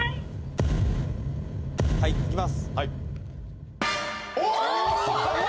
はいいきますおえ！？